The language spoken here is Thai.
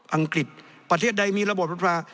อังกฤษประเทศใดมีระบบไฟฟ้า